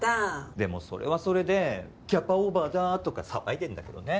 でもそれはそれでキャパオーバーだとか騒いでるんだけどね。